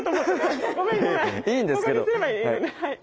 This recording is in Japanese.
いいんですけど。